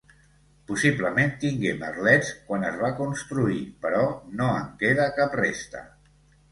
Possiblement tingué merlets quan es va construir, però no en queda cap resta.